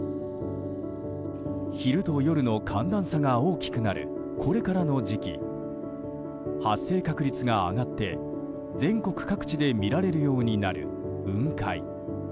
昼と夜の寒暖差が大きくなるこれからの時期発生確率が上がって全国各地で見られるようになる雲海。